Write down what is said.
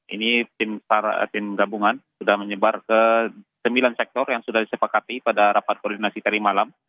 ini tim sar tim gabungan sudah menyebar ke sembilan sektor yang sudah disepakati pada rapat koordinasi tadi malam